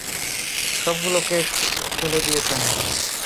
সবগুলো কেক ফেলে দিয়েছেন।